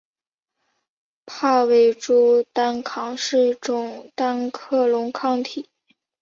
帕妥珠单抗是一种单克隆抗体。